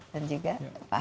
dan juga fary